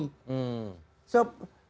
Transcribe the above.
jangan kita menjebloskan pak jokowi